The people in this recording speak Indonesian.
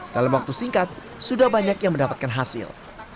dalam waktu singkat sudah banyak yang mendapatkan hasil